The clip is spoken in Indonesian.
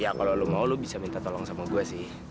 ya kalau lo mau lu bisa minta tolong sama gue sih